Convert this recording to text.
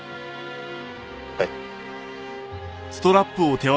はい。